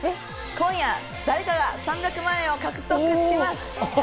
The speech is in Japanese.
今夜、誰かが３００万円を獲得します。